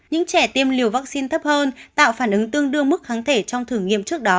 những trẻ tiêm liều vaccine thấp hơn tạo phản ứng tương đương mức kháng thể trong thử nghiệm trước đó